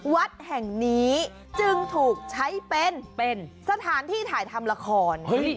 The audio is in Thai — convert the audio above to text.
วัดแห่งนี้จึงถูกใช้เป็นสถานที่ถ่ายทำละคร